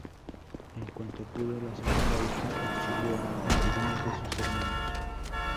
En cuanto pudo, la segunda hija auxilió a algunos de sus hermanos.